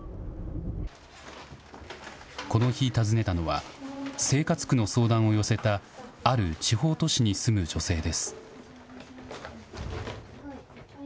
この日訪ねたのは、生活苦の相談を寄せた、ある地方都市に住む女性です。